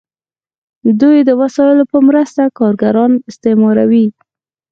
دوی د وسایلو په مرسته کارګران استثماروي.